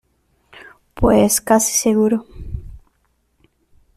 pues casi seguro